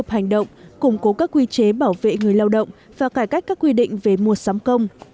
hành động củng cố các quy chế bảo vệ người lao động và cải cách các quy định về mua sắm công